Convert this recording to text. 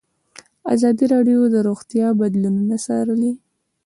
ازادي راډیو د روغتیا بدلونونه څارلي.